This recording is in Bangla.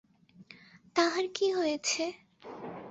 তাহার কি হয়েছে।